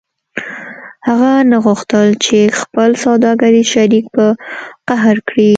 هغه نه غوښتل چې خپل سوداګریز شریک په قهر کړي